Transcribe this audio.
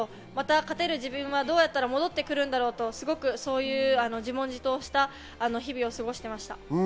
勝てる自分はどうやったら戻ってくるんだろうと自問自答した日々を過ごしていました。